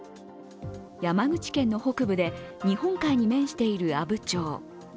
山口県の北部で日本海側に面している阿武町。